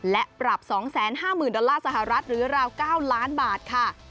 และปรับ๒๕๐๐๐ดอลลาร์สหรัฐหรือราว๙ล้านบาทค่ะ